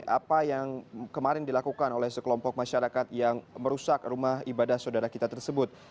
apa yang kemarin dilakukan oleh sekelompok masyarakat yang merusak rumah ibadah saudara kita tersebut